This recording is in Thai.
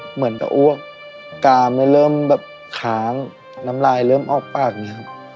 เหมือนกับอ้วกกามเลยเริ่มแบบขางน้ำลายเริ่มออกปากเนี้ยครับ